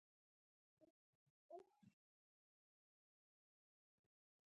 سفرونه باید څه پایله ولري؟